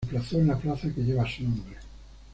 Se emplazó en la Plaza que lleva su nombre.